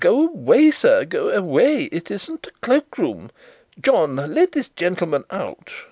"Go away, sir, go away! It isn't a cloakroom. John, let this gentleman out."